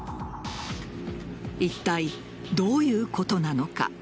いったいどういうことなのか。